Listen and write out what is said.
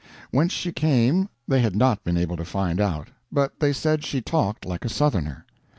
Whence she came they had not been able to find out, but they said she talked like a Southerner.